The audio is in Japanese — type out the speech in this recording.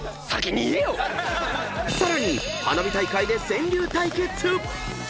［さらに花火大会で川柳対決］